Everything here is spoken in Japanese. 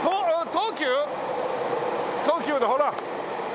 東急だほら！